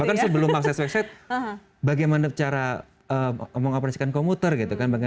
bahkan sebelum akses website bagaimana cara mengoperasikan komuter gitu kan